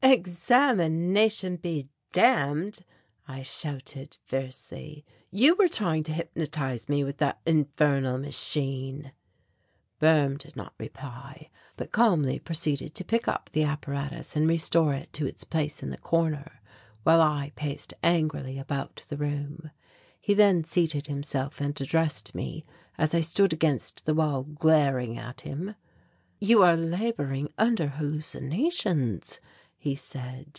"Examination be damned," I shouted fiercely; "you were trying to hypnotize me with that infernal machine." Boehm did not reply but calmly proceeded to pick up the apparatus and restore it to its place in the corner, while I paced angrily about the room. He then seated himself and addressed me as I stood against the wall glaring at him. "You are labouring under hallucinations," he said.